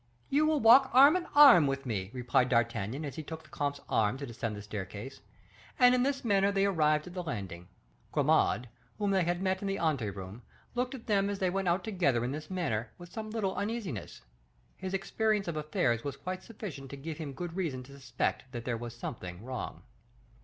"You will walk arm in arm with me," replied D'Artagnan, as he took the comte's arm to descend the staircase; and in this manner they arrived at the landing. Grimaud, whom they had met in the ante room, looked at them as they went out together in this manner, with some little uneasiness; his experience of affairs was quite sufficient to give him good reason to suspect that there was something wrong.